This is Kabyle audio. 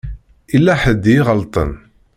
Yella ḥedd i iɣelṭen.